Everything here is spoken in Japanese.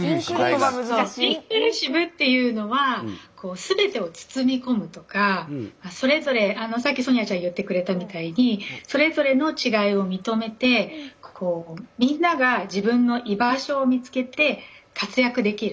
インクルーシブっていうのはすべてを包みこむとかそれぞれさっきソニアちゃん言ってくれたみたいにそれぞれの違いを認めてみんなが自分の居場所を見つけて活躍できる。